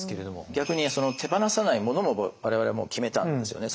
逆に手放さないものも我々もう決めたんですよね。